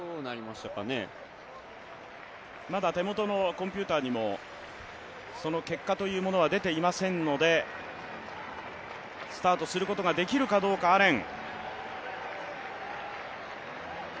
まだ手元のコンピューターにもその結果は出ていませんのでスタートすることができるかどうか、アレン。